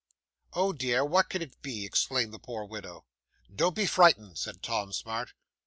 '"Oh, dear, what can it be?" exclaimed the poor widow. '"Don't be frightened," said Tom Smart.